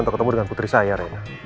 untuk ketemu dengan putri saya rena